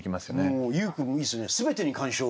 もう優君もいいですね。